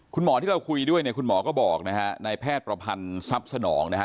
คุณหมอที่เราคุยด้วยเนี่ยคุณหมอก็บอกนะฮะในแพทย์ประพันธ์ทรัพย์สนองนะฮะ